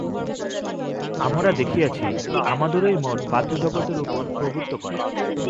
আমরা দেখিয়াছি, আমাদেরই মন বাহ্যজগতের উপর প্রভুত্ব করে।